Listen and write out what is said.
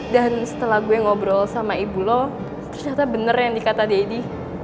dan setelah gue ngobrol sama ibu lo ternyata bener yang dikata daddy